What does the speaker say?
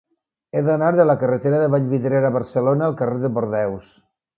He d'anar de la carretera de Vallvidrera a Barcelona al carrer de Bordeus.